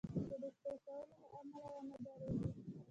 د دوستی کولو له امله ونه ډاریږي.